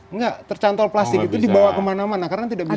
enggak tercantol plastik itu dibawa kemana mana karena tidak bisa